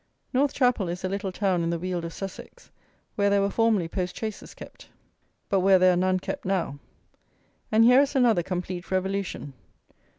North Chapel is a little town in the Weald of Sussex where there were formerly post chaises kept; but where there are none kept now. And here is another complete revolution.